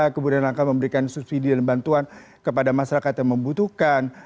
kemudian langkah memberikan subsidi dan bantuan kepada masyarakat yang membutuhkan